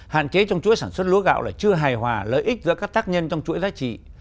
hạn chế trong chuỗi sản xuất lúa gạo là chưa hài hòa lợi ích giữa các tác nhân trong chuỗi giá trị